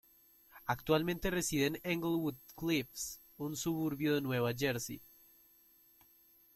Actualmente reside en Englewood Cliffs, un suburbio de Nueva Jersey.